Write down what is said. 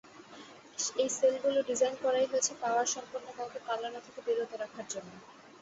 এই সেলগুলো ডিজাইন করাই হয়েছে পাওয়ার সম্পন্ন কাউকে পালানো থেকে বিরত রাখার জন্য।